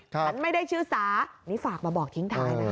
ฉันไม่ได้ชื่อสานี่ฝากมาบอกทิ้งท้ายนะคะ